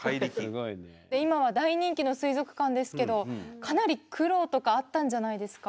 今は大人気の水族館ですけどかなり苦労とかあったんじゃないですか？